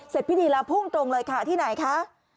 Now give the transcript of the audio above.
พิธีแล้วพุ่งตรงเลยค่ะที่ไหนคะ